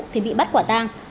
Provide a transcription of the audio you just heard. thì bị bắt quả tang